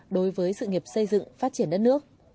đối với sự nghiệp xây dựng phát triển đất nước